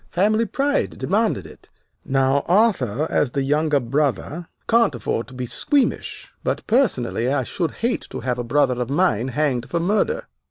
Family pride demanded it. Now, Arthur, as the younger brother, can't afford to be squeamish, but personally I should hate to have a brother of mine hanged for murder."